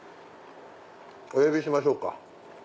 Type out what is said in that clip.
お呼びしましょうか。